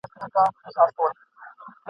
نه یې ژبه له غیبته ستړې کیږي !.